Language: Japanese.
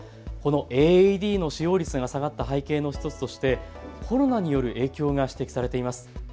このＡＥＤの使用率が下がった背景の１つとして、コロナによる影響が指摘されています。